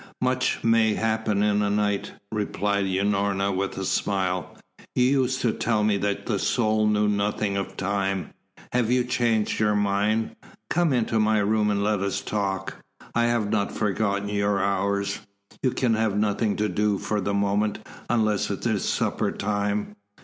"Much may happen in a night," replied Unorna with a smile. "You used to tell me that the soul knew nothing of time. Have you changed your mind? Come into my room and let us talk. I have not forgotten your hours. You can have nothing to do for the moment, unless it is supper time."